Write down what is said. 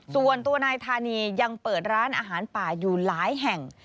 ส่วนตัวนายธานียังเปิดร้านอาหารป่าอยู่หลายแห่ง